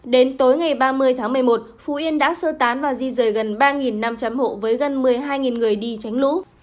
đến tối ngày ba mươi tháng một mươi một phú yên đã sơ tán và di rời gần ba năm trăm linh hộ với gần một mươi hai người đi tránh lũ